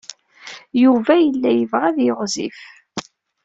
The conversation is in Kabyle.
Yuba yella yebɣa ad yiɣzif.